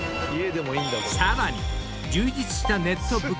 ［さらに充実したネット部活］